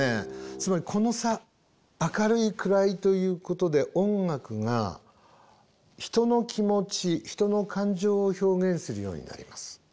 つまりこの差明るい暗いということで音楽が人の気持ち人の感情を表現するようになります。